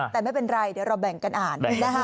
แต่ไม่เป็นไรเดี๋ยวเราแบ่งกันอ่าน